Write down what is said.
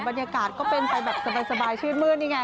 บรรยากาศก็เป็นไปแบบสบายชื่นมืดนี่ไง